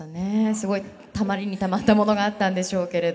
すごいたまりにたまったものがあったんでしょうけれど。